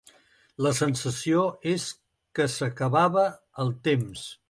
La sensació és que s'acabava el temps.